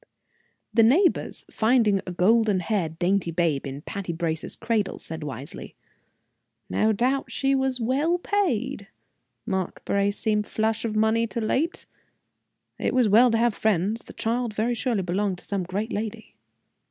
The neighbors, finding a golden haired, dainty babe in Patty Brace's cradle, said, wisely: "No doubt she was well paid." "Mark Brace had seemed flush of money of late." "It was well to have friends. The child very surely belonged to some great lady."